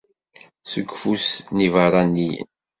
Seg ufus n iberraniyen!